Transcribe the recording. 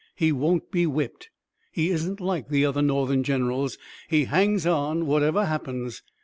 He won't be whipped. He isn't like the other Northern generals. He hangs on, whatever happens.